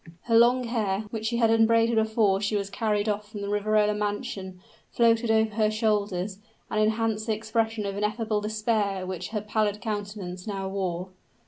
Her long hair, which she had unbraided before she was carried off from the Riverola mansion, floated over her shoulders, and enhanced the expression of ineffable despair which her pallid countenance now wore.